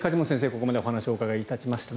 ここまでお話をお伺いしました。